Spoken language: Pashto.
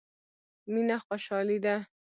مينه خوشالي ده.